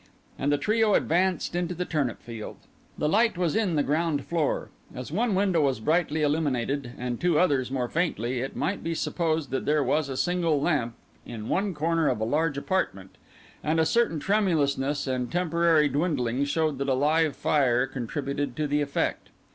And the trio advanced into the turnip field. The light was in the ground floor; as one window was brightly illuminated and two others more faintly, it might be supposed that there was a single lamp in one corner of a large apartment; and a certain tremulousness and temporary dwindling showed that a live fire contributed to the effect.